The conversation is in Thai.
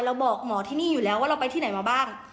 บอกหมอที่นี่อยู่แล้วว่าเราไปที่ไหนมาบ้าง